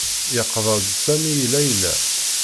Yeqḍa-d Sami i Layla.